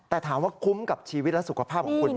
แต่ถามว่าคุ้มกับชีวิตและสุขภาพของคุณ